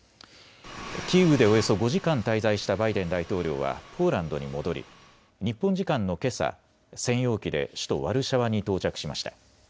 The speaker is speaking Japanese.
キーウでおよそ５時間滞在したバイデン大統領はポーランドに戻り日本時間のけさ専用機で首都ワルシャワに到着しました。